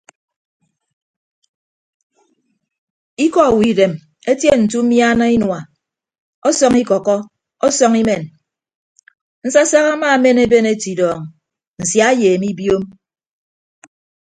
Ikọ owo idem etie nte umiana inua ọsọñ ikọkkọ ọsọñ imen nsasak amaamen eben etidọọñ nsia eyeeme ibiom.